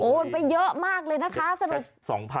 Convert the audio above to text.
โอ้โฮมันเป็นเยอะมากเลยนะคะ